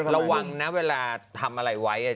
ระวังนะเวลาทำอะไรไว้